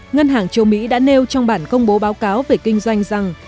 ngân hàng châu mỹ đã nêu trong bản công bố báo cáo về kinh doanh rằng